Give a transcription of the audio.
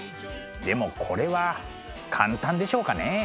でもこれは簡単でしょうかね？